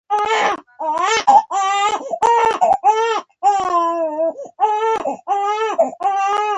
احمدشاه بابا به خپل ملت ته مشوره ورکوله.